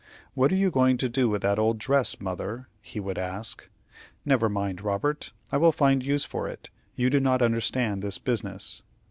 "What are you going to do with that old dress, mother?" he would ask. "Never mind, Robert, I will find use for it. You do not understand this business."